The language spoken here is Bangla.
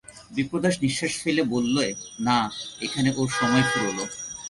বিপ্রদাস নিশ্বাস ফেলে বললে, না, এখানে ওর সময় ফুরোল।